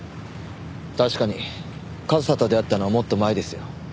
確かに和沙と出会ったのはもっと前ですよ。